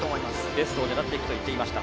ベストを狙っていくと言っていました。